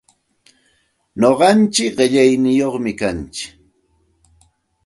Nuqaichik qillaniyuqmi kaa.